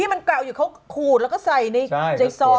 ที่มันคราวอยู่เขาขูดแล้วก็ใส่ในใจทรง